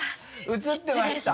写ってました。